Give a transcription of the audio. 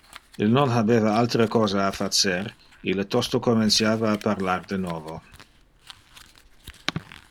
Il non habeva altere cosa a facer, ille tosto comenciava a parlar de novo.